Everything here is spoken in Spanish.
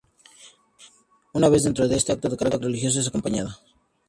Una vez dentro este acto de carácter religioso es acompañado.